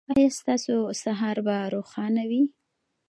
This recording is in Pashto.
ایا ستاسو سهار به روښانه وي؟